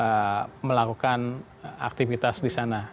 yang akan melakukan aktivitas di sana